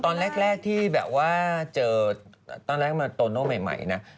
ตอนแรกที่แบบว่าเจอตอนแรกมาโตโน่ใหม่นะ